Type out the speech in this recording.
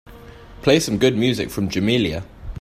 Play some good music from Jamelia.